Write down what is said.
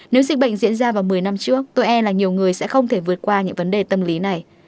nếu dịch bệnh diễn ra vào một mươi năm trước tôi e là nhiều người sẽ không thể vượt qua những vấn đề tâm lý này